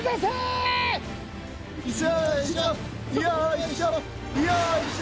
よいしょよいしょ。